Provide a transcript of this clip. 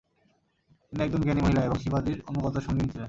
তিনি একজন জ্ঞানী মহিলা এবং শিবাজীর অনুগত সঙ্গিনী ছিলেন।